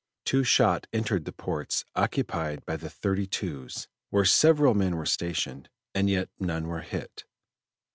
Two shot entered the ports occupied by the thirty twos, where several men were stationed, and yet none were hit.